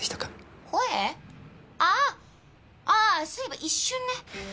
ああそういえば一瞬ね。